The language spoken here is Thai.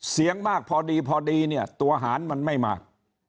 เสียงมากพอดีพอดีเนี่ยตัวหารมันไม่มาก